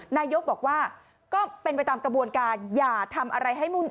นายกบอกว่าก็เป็นไปตามกระบวนการอย่าทำอะไรให้มุ่น